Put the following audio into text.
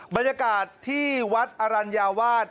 บรรยากาศที่วัดอรัญญาวาส